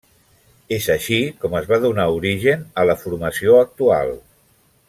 És així com es va donar origen a la formació actual.